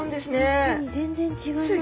確かに全然違いますね。